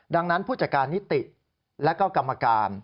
ดังนั้นผู้จัดการนิติและก็กรรมการ